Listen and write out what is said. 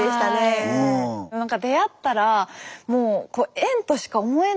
何か出会ったらもう縁としか思えない。